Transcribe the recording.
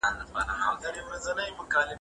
که اقتصادي وده رامنځته سي خلګ به هوسا سي.